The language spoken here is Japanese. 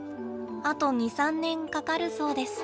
あと２３年かかるそうです。